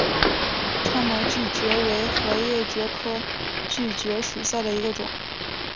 叉毛锯蕨为禾叶蕨科锯蕨属下的一个种。